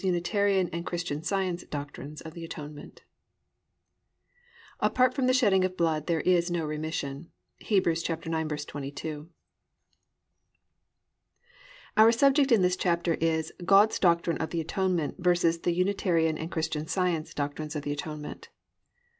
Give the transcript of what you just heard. UNITARIAN AND CHRISTIAN SCIENCE DOCTRINES OF THE ATONEMENT "Apart from the shedding of blood there is no remission."—Hebrews 9:22. Our subject in this chapter is "God's Doctrine of the Atonement vs. the Unitarian and Christian Science Doctrines of the Atonement."